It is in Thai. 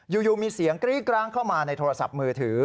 อยู่มีเสียงกรี๊ดกร้างเข้ามาในโทรศัพท์มือถือ